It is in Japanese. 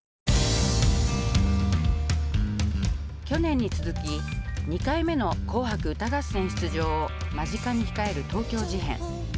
去年に続き２回目の「紅白歌合戦」出場を間近に控える東京事変。